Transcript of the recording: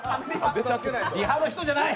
リハの人じゃない！